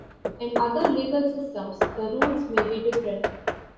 In other legal systems, the rules may be different.